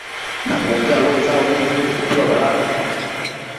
Na kuombea roho zao ili ziweze kupewa baraka na uwezo